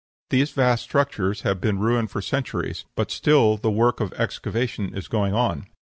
These vast structures have been ruined for centuries, but still the work of excavation is going on.